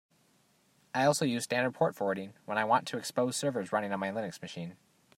I also use standard port forwarding when I want to expose servers running on my Linux machine.